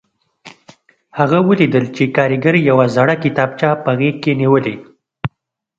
هغه ولیدل چې کارګر یوه زړه کتابچه په غېږ کې نیولې